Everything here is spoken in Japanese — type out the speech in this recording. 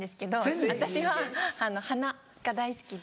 私は鼻が大好きで。